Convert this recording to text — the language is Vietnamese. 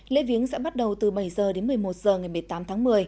lễ viếng sẽ bắt đầu từ bảy h đến một mươi một h ngày một mươi tám tháng một mươi